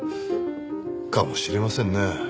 かもしれませんね。